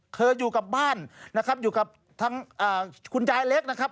เธออยู่กับบ้านอยู่กับคุณยายเล็กนะครับ